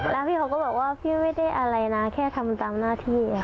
แล้วพี่เขาก็บอกว่าพี่ไม่ได้อะไรนะแค่ทำตามหน้าที่ค่ะ